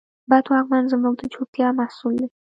بد واکمن زموږ د چوپتیا محصول دی.